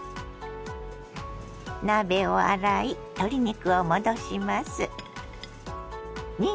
鍋を洗い鶏肉を戻します。